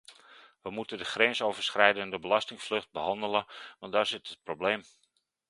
We moeten de grensoverschrijdende belastingvlucht behandelen, want daar zit het probleem.